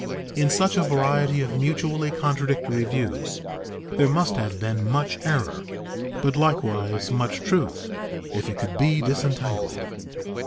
In such a variety of mutually contradictory views there must have been much error, but likewise much truth if it could be disentangled.